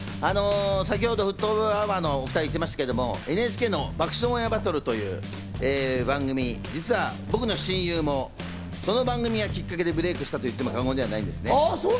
先ほどフットボールアワーのお２人も言ってましたけど、ＮＨＫの『爆笑オンエアバトル』という番組、実は僕の親友もその番組がきっかけでブレイクしたといっても過言ではないんですね。